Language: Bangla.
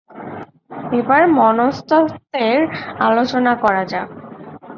এবার মনস্তত্ত্বের আলোচনা করা যাক।